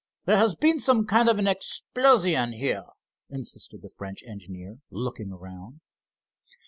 There has been some kind of an explosion here," insisted the French engineer looking around.